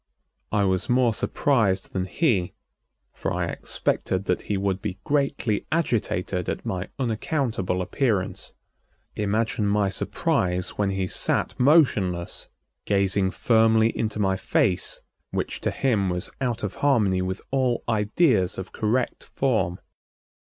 I was more surprised than he, for I expected that he would be greatly agitated at my unaccountable appearance. Imagine my surprise when he sat motionless, gazing firmly into my face which to him was out of harmony with all ideas of correct form.